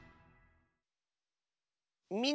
「みんなの」。